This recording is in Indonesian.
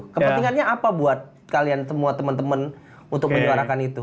kepentingannya apa buat kalian semua teman teman untuk menyuarakan itu